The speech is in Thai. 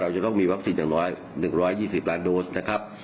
จะต้องมีวัคซีนอย่าง๑๒๐ล้านโดสนะครับ